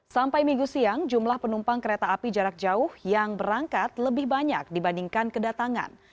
sampai minggu siang jumlah penumpang kereta api jarak jauh yang berangkat lebih banyak dibandingkan kedatangan